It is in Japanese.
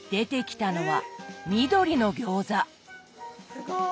すごい！